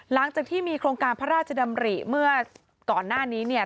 หลังจากที่มีโครงการพระราชดำริเมื่อก่อนหน้านี้เนี่ย